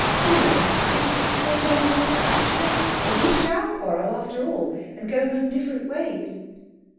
Be an explicit little general practitioner, or we shall quarrel, after all, and go home different ways."